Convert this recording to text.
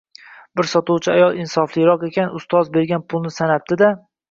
Bir sotuvchi ayol insofliroq ekan, ustoz bergan pulni sanadi-da